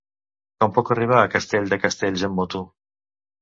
Com puc arribar a Castell de Castells amb moto?